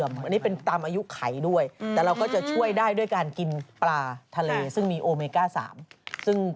ไม่เปล่ามันต้องเป็น